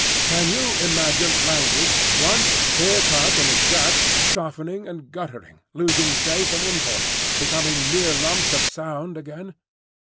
(Can you imagine language, once clear cut and exact, softening and guttering, losing shape and import, becoming mere lumps of sound again?)